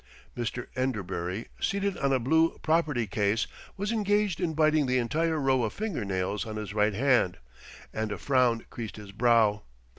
Mr. Enderbury, seated on a blue property case, was engaged in biting the entire row of finger nails on his right hand, and a frown creased his brow.